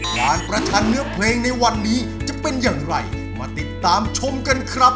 ประชันเนื้อเพลงในวันนี้จะเป็นอย่างไรมาติดตามชมกันครับ